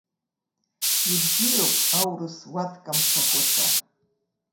Ибзиоуп аурыс уаткамцахәыцәа!